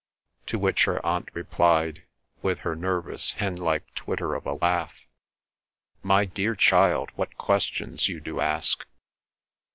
to which her aunt replied, with her nervous hen like twitter of a laugh, "My dear child, what questions you do ask!"